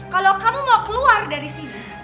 kalau kamu mau keluar dari sini